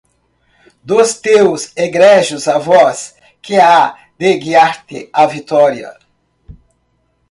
Dos teus egrégios avós, que há de guiar-te à vitória!